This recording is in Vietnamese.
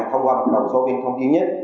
thông qua một đồng số viên thông duy nhất